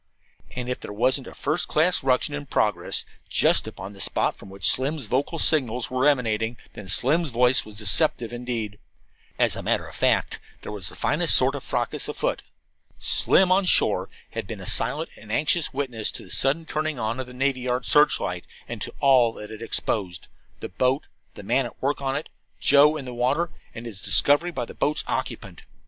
And if there wasn't a first class ruction in progress just upon the spot from which Slim's vocal signals were emanating, then Slim's voice was deceptive, indeed. As a matter of fact, there was the finest sort of a fracas afoot. Slim, on shore, had been a silent and anxious witness to the sudden turning on of the navy yard searchlight, and to all that it exposed the boat, the man at work in it, Joe in the water, and his discovery by the boat's occupant.